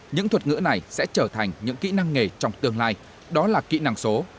những thuật ngữ này sẽ trở thành những kỹ năng nghề trong tương lai đó là kỹ năng số